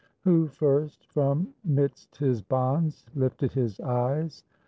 Who first from midst his bonds lifted his eyes?